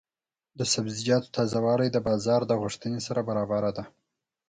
د سبزیجاتو تازه والي د بازار د غوښتنې سره برابره ده.